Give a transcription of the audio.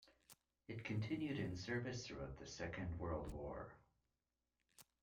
It continued in service throughout the Second World War.